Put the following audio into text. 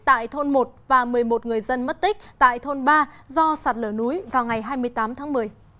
tại thôn một và một mươi một người dân mất tích tại thôn ba do sạt lở núi vào ngày hai mươi tám tháng một mươi